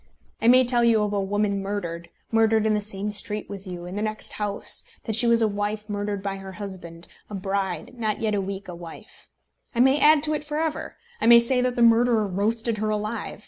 I may tell you of a woman murdered, murdered in the same street with you, in the next house, that she was a wife murdered by her husband, a bride not yet a week a wife. I may add to it for ever. I may say that the murderer roasted her alive.